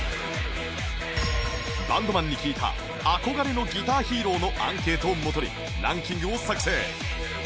バンドマンに聞いた憧れのギターヒーローのアンケートをもとにランキングを作成